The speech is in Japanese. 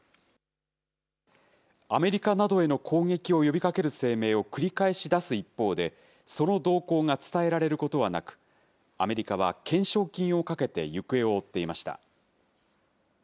アメリカなどへの攻撃を呼びかける声明を繰り返し出す一方で、その動向が伝えられることはなく、アメリカは懸賞金をかけて行方を追っていました。